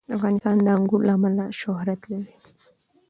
افغانستان د انګور له امله شهرت لري.